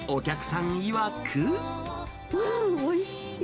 うん、おいしい。